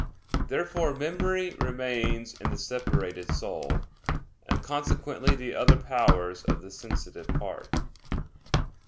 Therefore memory remains in the separated soul; and consequently the other powers of the sensitive part.